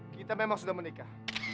kita memang sudah menikah